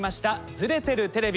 「ズレてるテレビ」。